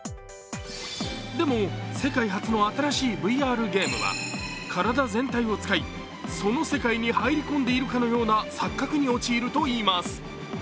でも世界初の新しいＶＲゲームは体全体を使い、その世界に入り込んでいるかのような錯覚に陥るといいます。